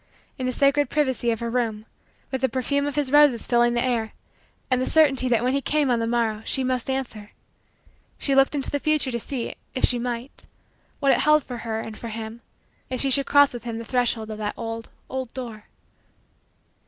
In the sacred privacy of her room, with the perfume of his roses filling the air and the certainty that when he came on the morrow she must answer, she looked into the future to see, if she might, what it held for her and for him if she should cross with him the threshold of that old, old, door.